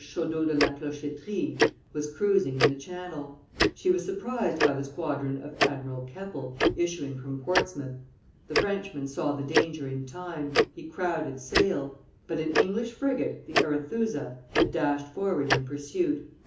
Chaudeau de la Clochetterie, was cruising in the Channel; she was surprised by the squadron of Admiral Keppel, issuing from Portsmouth; the Frenchman saw the danger in time, he crowded sail; but an English frigate, the Arethusa, had dashed forward in pursuit.